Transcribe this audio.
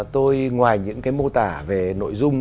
tôi ngoài những cái mô tả về nội dung